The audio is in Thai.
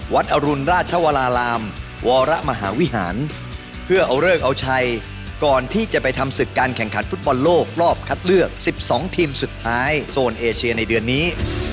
อรุณราชวรารามวรมหาวิหารเพื่อเอาเลิกเอาชัยก่อนที่จะไปทำศึกการแข่งขันฟุตบอลโลกรอบคัดเลือก๑๒ทีมสุดท้ายโซนเอเชียในเดือนนี้